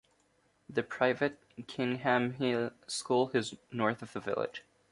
The private Kingham Hill School is north of the village.